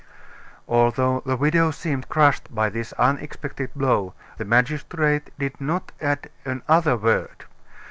Although the widow seemed crushed by this unexpected blow, the magistrate did not add another word.